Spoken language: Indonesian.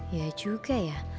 ya juga ya